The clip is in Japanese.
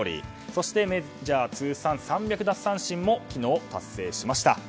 そしてメジャー通算３００奪三振も昨日達成しました。